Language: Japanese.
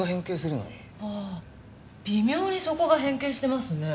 うん微妙に底が変形してますね。